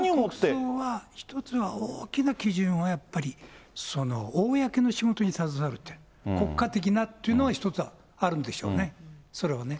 それは１つは大きな基準は、やっぱり公の仕事に携わる、国家的なっていうのが一つあるんでしょうね、それはね。